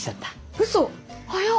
うそ早っ！